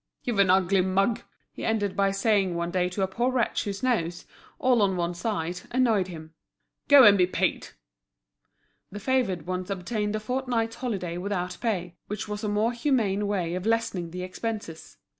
"You've an ugly mug," he ended by saying one day to a poor wretch whose nose, all on one side, annoyed him, "go and be paid!" The favoured ones obtained a fortnight's holiday without pay, which was a more humane way of lessening the expenses.